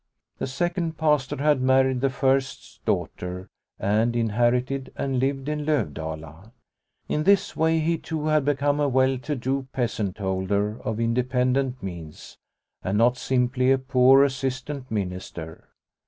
The second Pastor had married the first's daughter, and inherited and lived in Lovdala. In this way he too had become a well to do peasant holder of independent means, and not simply a poor assistant minister.